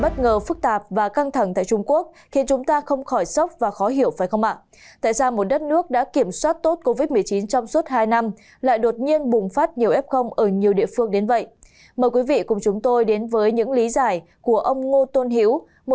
các bạn hãy đăng ký kênh để ủng hộ kênh của chúng mình nhé